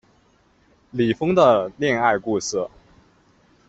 李锋的恋爱故事